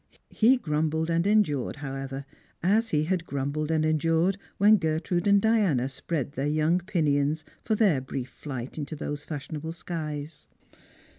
He grumbled and endured, however, as he had grumbled and endured when Gertrude and Diana spread their young pinions for their brief flight into those fashionable skies.